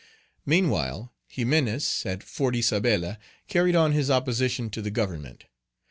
Meanwhile, Ximenes, at Fort Isabella, carried on his opposition to the Government.